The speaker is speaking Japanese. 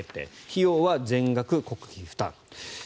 費用は全額国費負担。